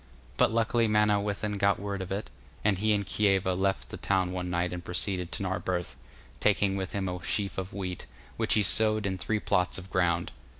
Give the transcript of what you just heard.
But luckily Manawyddan got word of it, and he and Kieva left the town one night and proceeded to Narberth, taking with him a sheaf of wheat, which he sowed in three plots of ground.